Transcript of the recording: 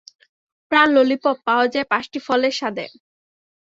প্রাণ ললিপপ পাওয়া যায় পাঁচটি ফলের স্বাদে।